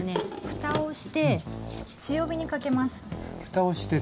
ふたをして強火にかけます。